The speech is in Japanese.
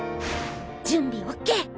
準備ＯＫ！